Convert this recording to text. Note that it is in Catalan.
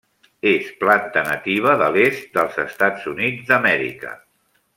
És planta nativa de l'est dels Estats Units d'Amèrica.